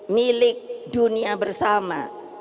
milik dunia bersama